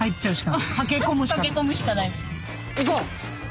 行こう！